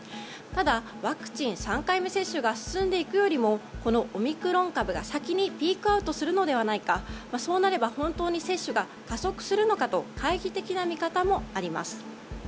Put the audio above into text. ただ、ワクチン３回目接種が進んでいくよりもこのオミクロン株が先にピークアウトするのではないかそうなれば本当に接種が加速するのかと懐疑的な見方もあります。